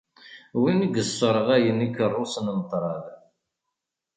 Win i yesserɣayen ikeṛṛusen n ṭṭṛad.